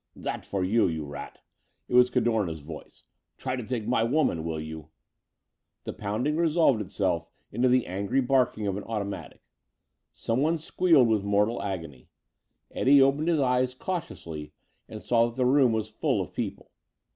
"That for you, you rat." It was Cadorna's voice. "Try to take my woman, will you?" The pounding resolved itself into the angry barking of an automatic. Someone squealed with mortal agony. Eddie opened his eyes cautiously and saw that the room was full of people.